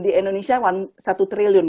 seperti di jalan jalan